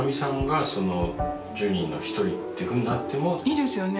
いいですよね